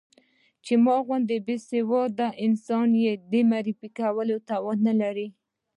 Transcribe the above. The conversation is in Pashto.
چې ما غوندې بې سواده انسان يې د معرفي کولو توان نه لري.